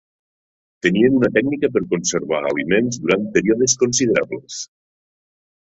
Tenien una tècnica per conservar aliments durant períodes considerables.